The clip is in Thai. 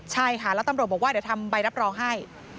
ใช่ค่ะแล้วตำรวจบอกว่าเดี๋ยวทำใบรับรองให้